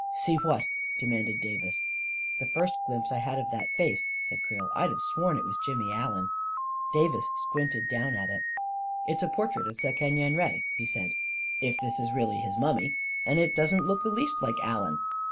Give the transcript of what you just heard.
" See what? " demanded Davis. " The first glimpse I had of that face," said Creel, " Fd have sworn it was Jimmy Allen." 265 266 A KING IN BABYLON Davis squinted down at it. " It's a portrait of Sekeny en Re," he said, " if this is really his mummy; and it doesn't look the least like Allen."